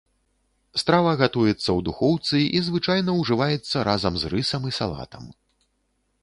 Страва гатуецца ў духоўцы і звычайна ўжываецца разам з рысам і салатам.